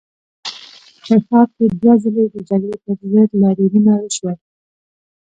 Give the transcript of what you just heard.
په ښار کې دوه ځلي د جګړې پر ضد لاریونونه وشول.